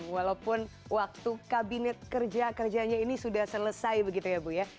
walaupun waktu kabinet kerja kerjanya ini sudah selesai begitu ya bu ya